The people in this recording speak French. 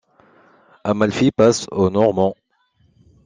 Amalfi passe aux Normands.